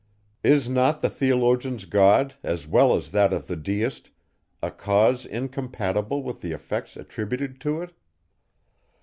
Is not the theologian's God, as well as that of the deist, a cause incompatible with the effects attributed to it?